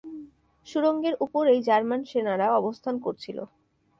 সুড়ঙ্গের উপরেই জার্মান সেনারা অবস্থান করছিল।